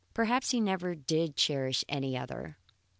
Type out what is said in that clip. Perhaps he never did cherish any other.